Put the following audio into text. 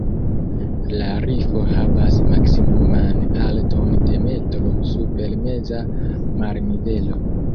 La rifo havas maksimuman alton de metro super meza marnivelo.